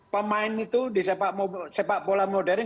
pemain itu di sepak bola modern